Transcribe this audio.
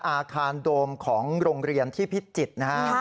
อาคารโดมของโรงเรียนที่พิจิตรนะฮะ